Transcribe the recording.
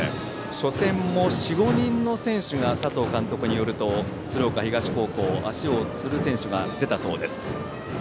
初戦も４５人の選手が佐藤監督によると鶴岡東高校、足をつる選手が出たそうです。